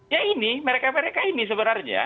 ya ini mereka mereka ini sebenarnya